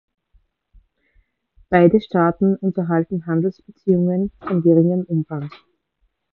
Beide Staaten unterhalten Handelsbeziehungen von geringem Umfang.